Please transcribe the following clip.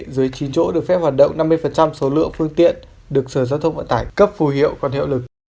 dưới chín chỗ được phép hoạt động năm mươi số lượng phương tiện được sở giao thông vận tải cấp phù hiệu còn hiệu lực